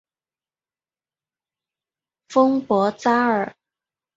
丰博扎尔。